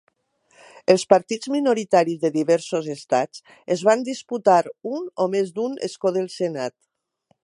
Els partits minoritaris de diversos estats es van disputar un o més d'un escó del Senat.